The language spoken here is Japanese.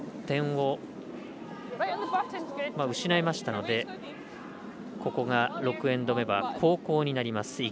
点を失いましたのでここが６エンド目は後攻になります。